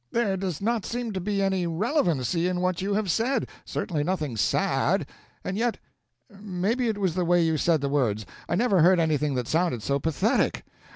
There does not seem to be any relevancy in what you have said, certainly nothing sad; and yet maybe it was the way you said the words I never heard anything that sounded so pathetic.